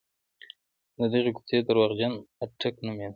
د دغې کوڅې درواغجن اټک نومېده.